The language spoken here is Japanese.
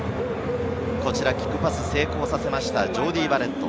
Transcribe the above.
キックパス成功させました、ジョーディー・バレット。